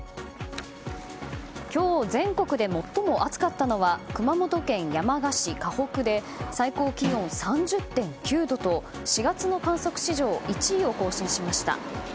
今日全国で最も暑かったのは熊本県山鹿市で最高気温３０．９度と４月の観測史上１位を更新しました。